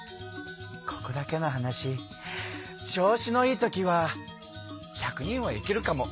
ここだけの話調子のいい時は１００人はいけるかも。